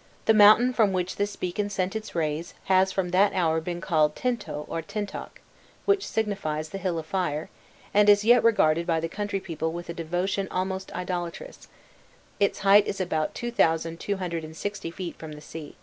" The mountain from which this beacon sent its rays has from that hour been called Tinto or Tintoc (which signifies the Hill of Fire), and is yet regarded by the country people with a devotion almost idolatrous. Its height is about 2,260 feet from the sea.